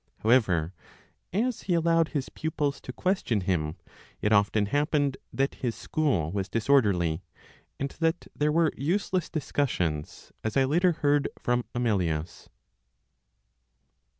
However, as he allowed his pupils to question him, it often happened that his school was disorderly, and that there were useless discussions, as I later heard from Amelius.